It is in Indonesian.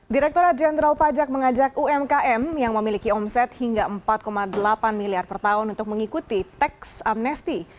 direkturat jenderal pajak mengajak umkm yang memiliki omset hingga empat delapan miliar per tahun untuk mengikuti teks amnesti